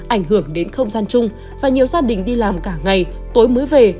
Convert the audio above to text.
ảnh hưởng đến không gian chung và nhiều gia đình đi làm cả ngày tối mới về